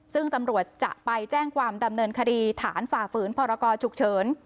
ซึ่งตำรวจจะไปแจ้งความดำเนินคดีฐานฝ่าฝืนพรกรฉุกเฉิน